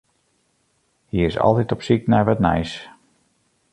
Hy is altyd op syk nei wat nijs.